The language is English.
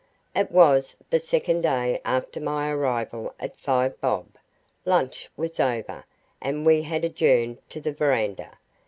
It was the second day after my arrival at Five Bob. Lunch was over, and we had adjourned to the veranda.